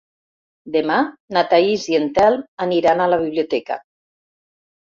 Demà na Thaís i en Telm aniran a la biblioteca.